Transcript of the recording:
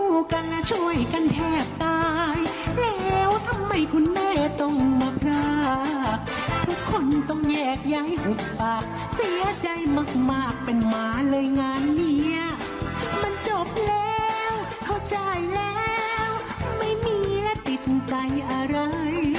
งานเนี่ยมันจบแล้วเทาะใจแล้วไม่มีติดใจอะไร